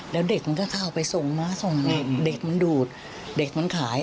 แล้วเด็กมันก็เข้าไปส่งม้าส่งเด็กมันดูดเด็กมันขาย